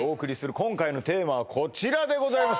今回のテーマはこちらでございます